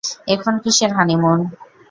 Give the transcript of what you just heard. এখন কিসের হানিমুন?